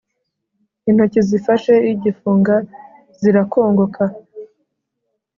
intoki zifashe igifunga zirakongoka,